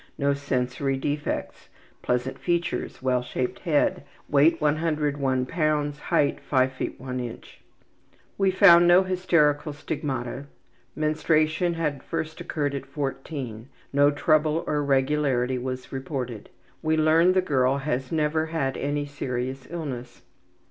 No sensory defects. Pleasant features. Well shaped head. Weight 101 lbs; height 5 ft. 1 in. We found no hysterical stigmata. Menstruation had first occurred at 14. No trouble or irregularity was reported. We learn the girl has never had any serious illness.